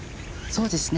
そうですね。